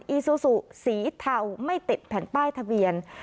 อซูซูสีเทาไม่ติดแผ่นป้ายทะเบียน